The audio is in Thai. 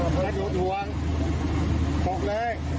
หยุดห่วงพกเลย